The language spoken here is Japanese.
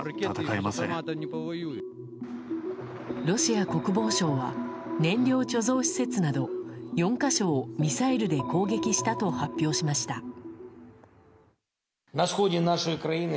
ロシア国防省は燃料貯蔵施設など４か所をミサイルで攻撃したと発表しました。